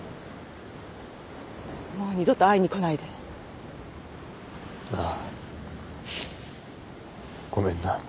もう二度と会いに来ないでああ